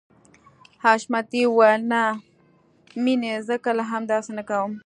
حشمتي وويل نه مينې زه کله هم داسې نه کوم.